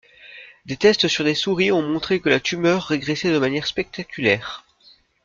Des tests sur des souris ont montré que la tumeur régressait de manière spectaculaire.